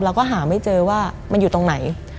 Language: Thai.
เราก็หาไม่เจอว่ามันอยู่ตรงไหน